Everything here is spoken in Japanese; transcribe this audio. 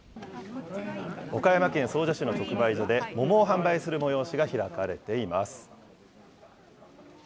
岡山県総社市の直売所で、桃を販売する催しが開かれています。